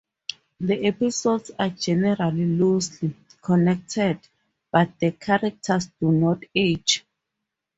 The episodes are generally loosely connected, but the characters do not age.